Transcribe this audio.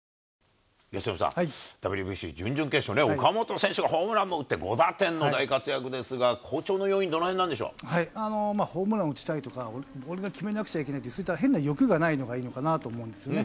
由伸さん、ＷＢＣ準々決勝、岡本選手がホームランも打って、５打点の大活躍ですが、好調の要因、ホームランを打ちたいとか、俺が決めなくちゃいけないとか、そういった変な欲がないのがいいのかなぁと思うんですね。